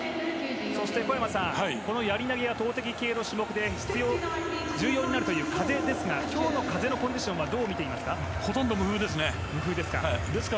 小山さん、やり投げや投てき系で重要になるという風ですが今日の風のコンディションはどう見ていますか？